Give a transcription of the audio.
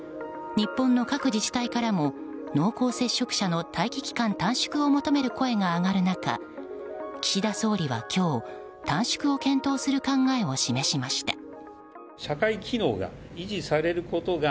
日本の各自治体からも濃厚接触者の待機期間短縮を求める声が上がる中岸田総理は今日短縮を検討する考えを示しました。